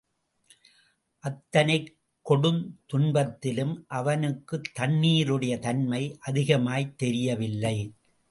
அத்தனைக் கொடுந்துன்பத்திலும் அவனுக்குத் தண்ணீருடைய தண்மை அதிகமாய்த் தெரியவில்லை.